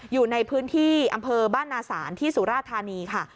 อยู่ในพื้นที่อำเภอบ้านนาศาลที่สุราธานีค่ะ